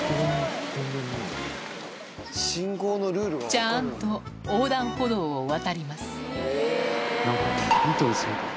ちゃんと横断歩道を渡ります何か。